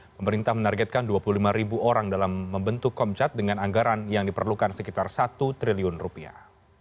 pemerintah menargetkan dua puluh lima ribu orang dalam membentuk komcat dengan anggaran yang diperlukan sekitar satu triliun rupiah